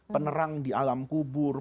penerang di alam kubur